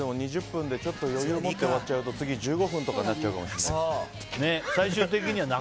２０分で、ちょっと余裕持って終わっちゃうと次１５分とかになっちゃうかもしれない。